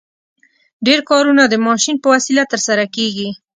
ډېر کارونه د ماشین په وسیله ترسره کیږي.